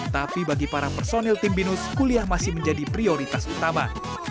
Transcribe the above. tapi bagi para personil tim binus kuliah masih menjadi prioritas utama